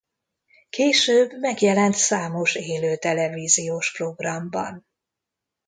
Később megjelent számos élő televíziós programban.